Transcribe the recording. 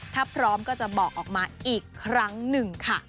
ถ้าพร้อมก็จะบอกออกมาอีกครั้งหนึ่งค่ะ